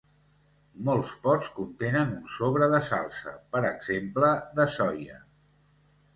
Molts pots contenen un sobre de salsa, per exemple, de soia.